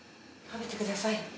食べてください。